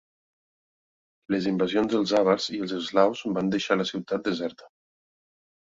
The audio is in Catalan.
Les invasions dels àvars i els eslaus van deixar la ciutat deserta.